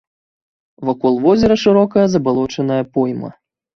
Вакол возера шырокая забалочаная пойма.